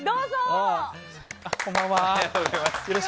こんばんは。